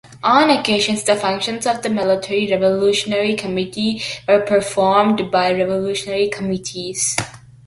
On occasions the functions of the Military Revolutionary Committee were performed by revolutionary committees.